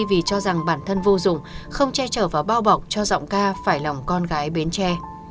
vì cho rằng bản thân vô dùng không che trở và bao bọc cho giọng ca phải lòng con gái bến tre